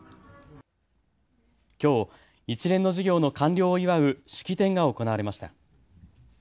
きょう一連の事業の完了を祝う式典が行われました。